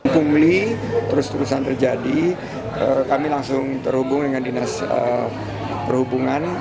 pungli terus terusan terjadi kami langsung terhubung dengan dinas perhubungan